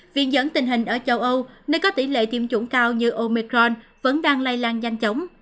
viện dẫn tình hình ở châu âu nơi có tỷ lệ tiêm chủng cao như omecron vẫn đang lây lan nhanh chóng